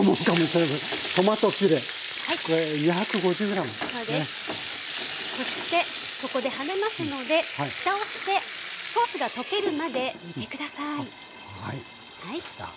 そしてここで跳ねますのでふたをしてソースがとけるまで煮て下さい。